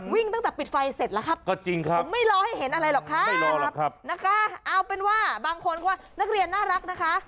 วิ่งตั้งแต่ปิดไฟเสร็จแล้วครับก็จริงครับผมไม่รอให้เห็นอะไรหรอกค่ะนะคะเอาเป็นว่าบางคนก็นักเรียนน่ารักนะคะ